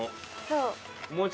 そう。